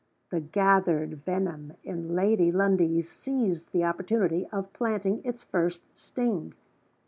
The gathered venom in Lady Lundie seized the opportunity of planting its first sting.